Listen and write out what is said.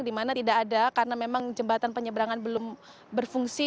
dimana tidak ada karena memang jembatan penyeberangan belum berfungsi